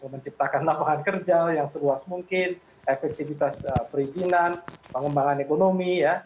menciptakan lapangan kerja yang seluas mungkin efektivitas perizinan pengembangan ekonomi ya